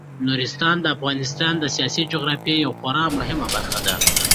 نورستان د افغانستان د سیاسي جغرافیې یوه خورا مهمه برخه ده.